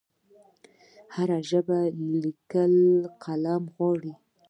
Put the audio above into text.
د هرې ژبې لیکل قلم غواړي.